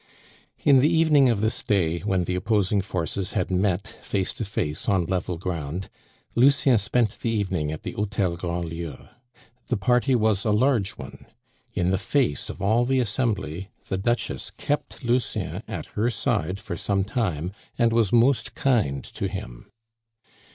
In the evening of this day, when the opposing forces had met face to face on level ground, Lucien spent the evening at the Hotel Grandlieu. The party was a large one. In the face of all the assembly, the Duchess kept Lucien at her side for some time, and was most kind to him.